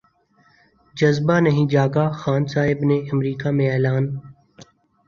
جذبہ نہیں جاگا خان صاحب نے امریکہ میں اعلان